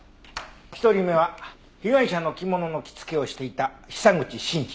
１人目は被害者の着物の着付けをしていた久口慎二。